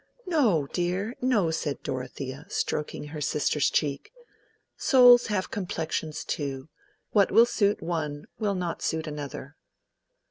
"No, dear, no," said Dorothea, stroking her sister's cheek. "Souls have complexions too: what will suit one will not suit another."